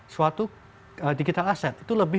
suatu digital asset itu lebih